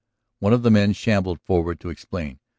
One of the men shambled forward to explain.